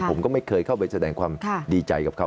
ผมก็ไม่เคยเข้าไปแสดงความดีใจกับเขา